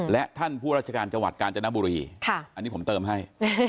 และท่านผู้ราชการจังหวัดกาญจนบุรีอันนี้ผมเติมให้